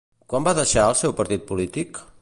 Quan va deixar el seu partit polític?